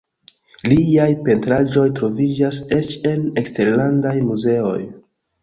Liaj pentraĵoj troviĝas eĉ en eksterlandaj muzeoj.